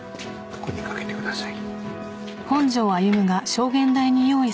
ここに掛けてください。